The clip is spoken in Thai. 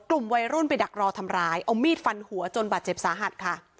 กลุ่มวัยรุ่นไปดักรอทำร้ายเอามีดฟันหัวจนบาดเจ็บสาหัสค่ะ